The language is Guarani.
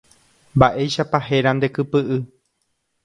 Mba'éichapa héra nde kypy'y.